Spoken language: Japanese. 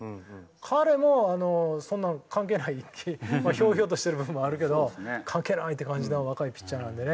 彼もそんなの関係ないひょうひょうとしている部分もあるけど関係ないって感じの若いピッチャーなんでね。